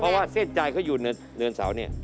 เพราะว่าเส้นใจเขาอยู่เนินเสาเนี่ย